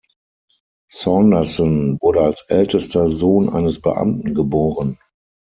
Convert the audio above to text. Saunderson wurde als ältester Sohn eines Beamten geboren.